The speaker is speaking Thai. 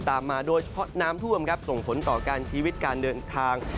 ตามมาโดยเฉพาะน้ำท่วมครับส่งผลต่อการชีวิตการเดินทาง